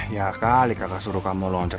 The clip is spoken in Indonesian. ya kali kakak suruh kamu loncat